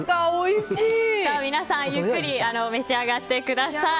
皆さん、ゆっくり召し上がってください。